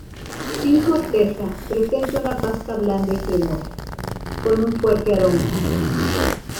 Sin corteza, presenta una pasta blanda y cremosa, con un fuerte aroma.